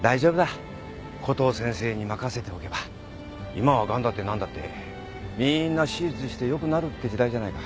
今はガンだって何だってみーんな手術してよくなるって時代じゃないか。